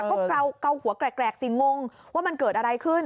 ก็เกาหัวแกรกสิงงว่ามันเกิดอะไรขึ้น